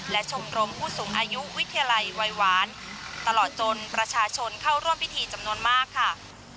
และชมรมผู้สูงอายุวิทยาลัยวัยหวานตลอดจนประชาชนเข้าร่วมพิธีจำนวนมากค่ะ